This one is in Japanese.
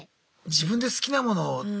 自分で好きなものを。